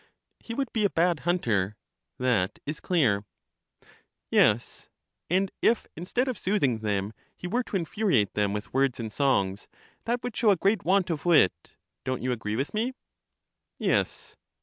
He would be a bad hunter, that is clear. Yes; and if, instead of soothing them, he were to infuriate them with words and songs, that would show a great want of wit: don't you agree with me? Yes.